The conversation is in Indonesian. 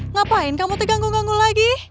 ngapain kamu tuh ganggu ganggu lagi